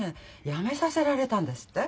辞めさせられたんですって？